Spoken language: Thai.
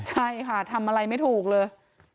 ใช่ค่ะทำอะไรไม่ถูกเลย